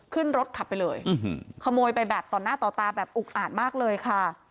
ขึ้นรถขับไปเลยขโมยไปแบบต่อหน้าต่อตาแบบอุกอาจมากเลยค่ะ